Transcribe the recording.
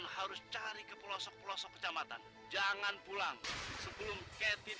ketika kita berdua kita tidak bisa menemukan keti